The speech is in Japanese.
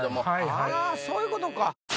あぁそういうことか。